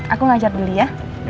aku ngajar beli ya